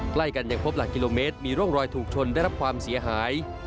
ใกล้กันยังพบหลักกิโลเมตรมีร่องรอยถูกชนได้รับความเสียหาย